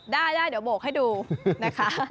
ได้ได้เดี๋ยวโบกให้ดูนะคะ